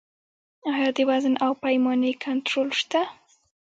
آیا د وزن او پیمانې کنټرول شته؟